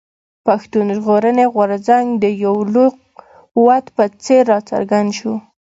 پښتون ژغورني غورځنګ د يو لوی قوت په څېر راڅرګند شو.